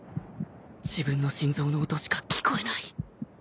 自分の心臓の音しか聞こえない